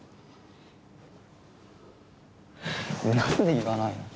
なんで言わないの？